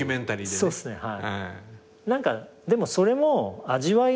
そうっすねはい。